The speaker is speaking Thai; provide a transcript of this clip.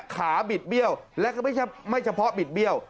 ขาดิดเบี้ยวและก็ไม่เฉพาะบิดเบี้ยว